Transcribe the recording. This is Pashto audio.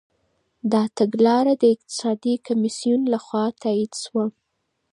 دا تګلاره د اقتصادي کميسيون لخوا تاييد سوه.